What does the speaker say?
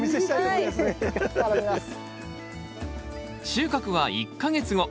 収穫は１か月後。